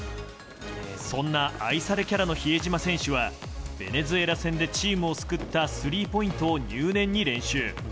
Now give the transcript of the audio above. そんな愛されキャラの比江島選手はベネズエラ戦でチームを救ったスリーポイントを入念に練習。